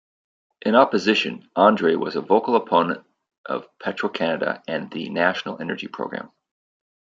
In opposition, Andre was a vocal opponent of Petro-Canada and the National Energy Program.